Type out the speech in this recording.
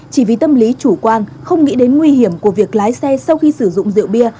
chỉ vì tâm lý chủ quan không nghĩ đến nguy hiểm của việc lái xe sau khi sử dụng rượu bia